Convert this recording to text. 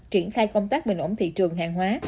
triển khai công tác bình ổn thị trường hàng hóa